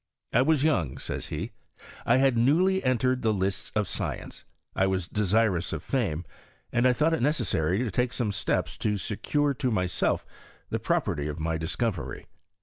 " I was young," says he, "I had newly entered the lists of science, I was de« sirous of fame, and I thought it necessary to take some steps to secure to myself the property of my discovery.